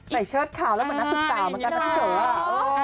เชิดข่าวแล้วเหมือนนักศึกษาเหมือนกันนะพี่เต๋ออ่ะ